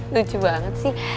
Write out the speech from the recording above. lucu banget sih